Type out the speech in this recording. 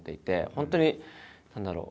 本当に何だろう